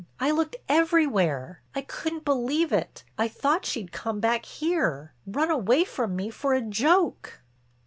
I looked everywhere; I couldn't believe it; I thought she'd come back here—run away from me for a joke."